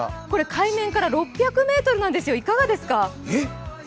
海面から６００ｍなんですよ、いかがですか。